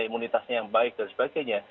imunitasnya yang baik dan sebagainya